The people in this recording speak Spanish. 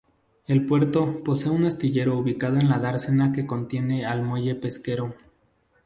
El puerto posee un astillero ubicado en la dársena que contiene al muelle pesquero.